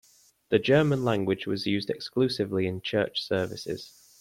The German language was used exclusively in church services.